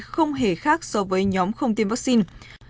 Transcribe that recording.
không hề khác so với nhóm không tiêm vaccine